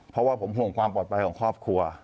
เพราะว่าผมห่วงความปลอดภัยของครอบครัว